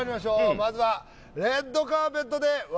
まずはレッドカーペットで笑